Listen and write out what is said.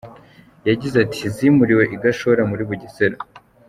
Yagize ati “Zimuriwe i Gashora muri Bugesera.